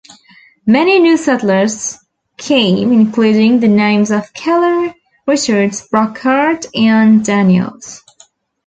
Many new settlers came, including the names of Keller, Richards, Brockhart, and Daniels.